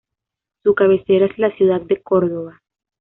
Su cabecera es la ciudad de Córdoba.